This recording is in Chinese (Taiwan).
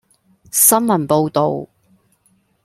新聞報導